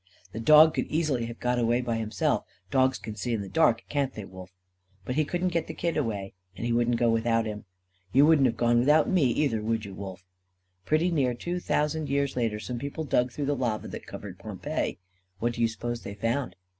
The dog could easily have got away by himself, dogs can see in the dark, can't they, Wolf? but he couldn't get the kid away. And he wouldn't go without him. You wouldn't have gone without me, either, would you, Wolf? Pretty nearly two thousand years later, some people dug through the lava that covered Pompeii. What do you suppose they found?